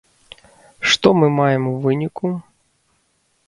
Што мы маем у выніку?